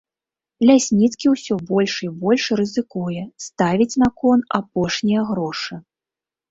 Лясніцкі ўсё больш і больш рызыкуе, ставіць на кон апошнія грошы.